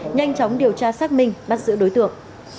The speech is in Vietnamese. nhanh chóng điều tra xác minh bắt giữ đối tượng